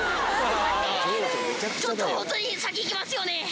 ちょっとホントに先行きますよね。